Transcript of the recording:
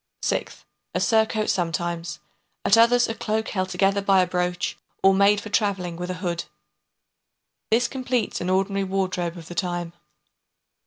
Sixth, a surcoat sometimes, at others a cloak held together by a brooch, or made for travelling with a hood. This completes an ordinary wardrobe of the time.